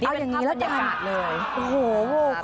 นี่เป็นค่าบรรยากาศเลย